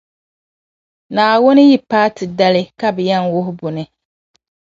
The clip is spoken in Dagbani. Naawuni yi paati dali, ka be yɛn wuhi buni.